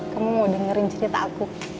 kamu mau dengerin cerita aku